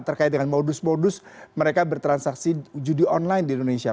terkait dengan modus modus mereka bertransaksi judi online di indonesia